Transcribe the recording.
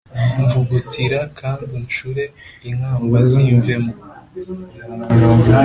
Mvugutira Kand’unshure Inkamba Zimvemo